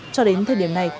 cho đến thời điểm này